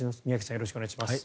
よろしくお願いします。